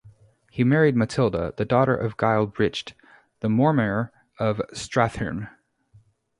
He married Matilda, the daughter of Gille Brigte, the mormaer of Strathearn.